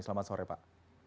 selamat sore pak